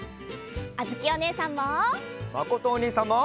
あづきおねえさんも。